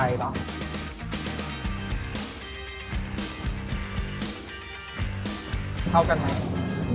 ได้อยู่ทั้งหมด